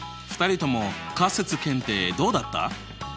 ２人とも仮説検定どうだった？